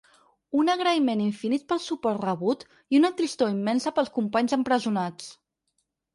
Un agraïment infinit pel suport rebut i una tristor immensa pels companys empresonats.